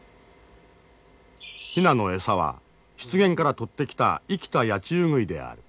ヒナの餌は湿原から取ってきた生きたヤチウグイである。